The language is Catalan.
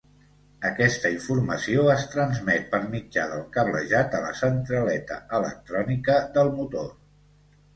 Aquesta informació es transmet per mitjà del cablejat a la centraleta electrònica del motor.